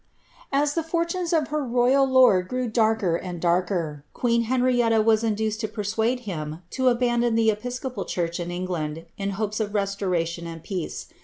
As the fortunes of her royal lord grew darker and darker, queen Hen netia was induced to persuade him to abandon the episcopal church in England, in hopes of restoration and peace.